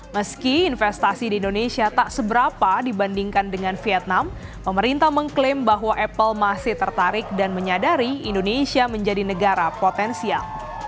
meski investasi di indonesia tak seberapa dibandingkan dengan vietnam pemerintah mengklaim bahwa apple masih tertarik dan menyadari indonesia menjadi negara potensial